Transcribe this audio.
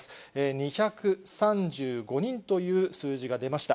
２３５人という数字が出ました。